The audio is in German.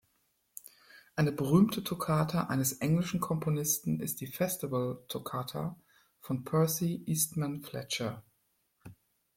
Eine berühmte Toccata eines englischen Komponisten ist die "Festival Toccata" von Percy Eastman Fletcher.